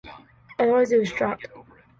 Otherwise, it was dropped.